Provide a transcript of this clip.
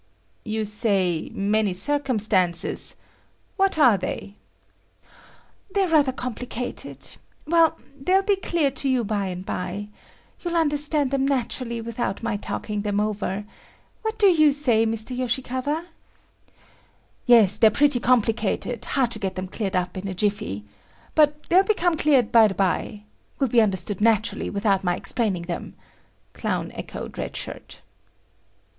"You say 'many circumstances'; what are they?" "They're rather complicated. Well, they'll be clear to you by and by. You'll understand them naturally without my talking them over. What do you say, Mr. Yoshikawa?" "Yes, they're pretty complicated; hard to get them cleared up in a jiffy. But they'll become clear by the bye. Will be understood naturally without my explaining them," Clown echoed Red Shirt.